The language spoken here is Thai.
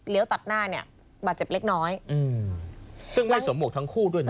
ตัดหน้าเนี่ยบาดเจ็บเล็กน้อยอืมซึ่งไม่สวมหวกทั้งคู่ด้วยนะ